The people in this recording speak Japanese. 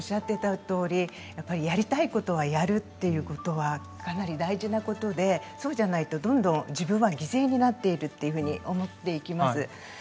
やりたいことはやるということはかなり大事なことでそうではないと、どんどん自分は犠牲なっているというふうに思っていきます。